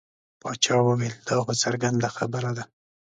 باچا وویل دا خو څرګنده خبره ده.